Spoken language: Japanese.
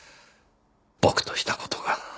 僕とした事が。